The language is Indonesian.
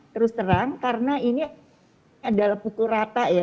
terus terang karena ini adalah pukul rata ya